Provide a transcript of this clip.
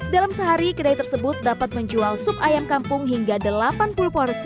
dalam sehari kedai tersebut dapat menjual sup ayam kampung hingga delapan puluh porsi